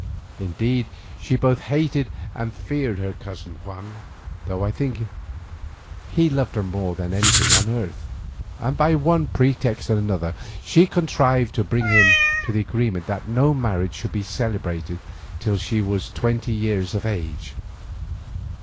Indeed she both hated and feared her cousin Juan, though I think that he loved her more than anything on earth, and by one pretext and another she contrived to bring him to an agreement that no marriage should be celebrated till she was full twenty years of age.